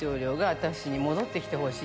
私に戻って来てほしい